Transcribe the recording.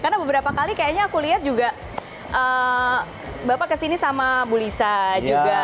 karena beberapa kali kayaknya aku lihat juga bapak kesini sama bu lisa juga